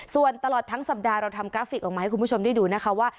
ส่วนตลอดทั้งสัปดาห์เราทำกราฟิกออกมาให้คุณผู้ชมได้ดูนะคะว่า